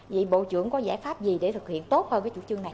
vậy bộ trưởng có giải pháp gì để thực hiện tốt hơn cái chủ trương này